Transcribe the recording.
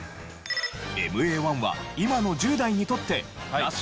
ＭＡ−１は今の１０代にとってナシ？